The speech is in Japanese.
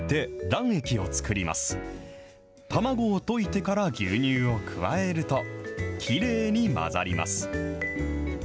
卵を溶いてから牛乳を加えると、きれいに混ざります。